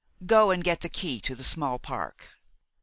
Go and get the key to the small park."